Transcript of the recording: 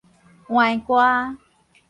歪歌